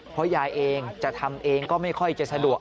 เพราะยายเองจะทำเองก็ไม่ค่อยจะสะดวก